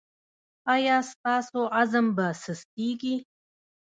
ایا ستاسو عزم به سستیږي؟